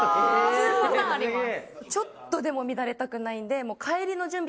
２パターンあります